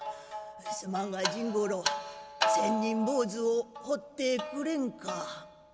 すまんが甚五郎千人坊主を彫ってくれんか」。